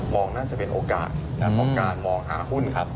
มองน่าจะเป็นโอกาสและมองการหาหุ้นครับ